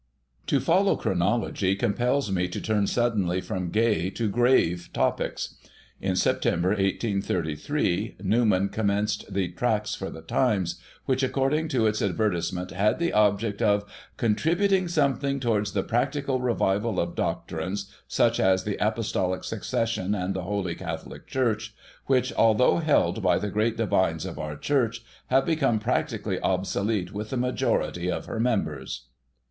To follow Chronology compels me to turn suddenly from gay to grave topics. In September, 1833, Newman com menced the Tracts for the Times, which, according to its advertisement, had the object of "contributing something towards the practical revival of doctrines (such as the Apostolic Succession, and the Holy Catholic Church) which, although held by the great divines of our Church, have become practi cally obsolete with the majority of her members.'